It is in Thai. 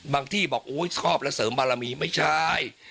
บางที่บอกโอ๊ยครอบและเสริมมะละมีไม่ใช่